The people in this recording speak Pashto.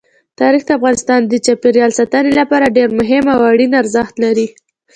تاریخ د افغانستان د چاپیریال ساتنې لپاره ډېر مهم او اړین ارزښت لري.